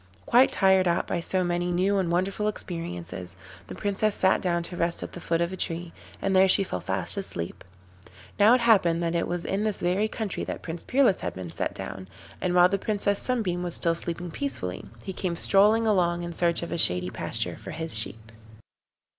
Quite tired out by so many new and wonderful experiences, the Princess sat down to rest at the foot of a tree, and there she fell fast asleep. Now it happened that it was in this very country that Prince Peerless had been set down, and while the Princess Sunbeam was still sleeping peacefully, he came strolling along in search of a shady pasture for his sheep.